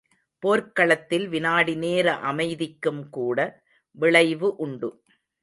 போர்க்களத்தில் விநாடிநேர அமைதிக்கும்கூட விளைவு உண்டு.